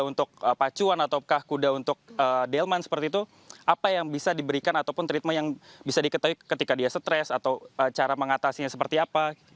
untuk pacuan ataukah kuda untuk delman seperti itu apa yang bisa diberikan ataupun treatment yang bisa diketahui ketika dia stres atau cara mengatasinya seperti apa